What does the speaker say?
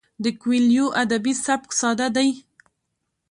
د کویلیو ادبي سبک ساده دی.